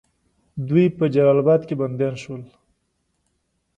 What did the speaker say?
دوی په جلال آباد کې بندیان شول.